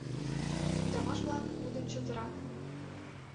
Ӱдырамаш-влак лӱдын чытырат.